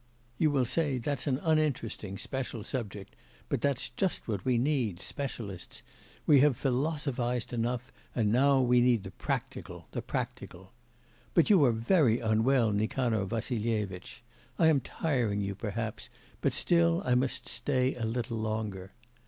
You will say that's an uninteresting, special subject, but that's just what we need, specialists; we have philosophised enough, now we need the practical, the practical. But you are very unwell, Nikanor Vassilyevitch, I am tiring you, perhaps, but still I must stay a little longer.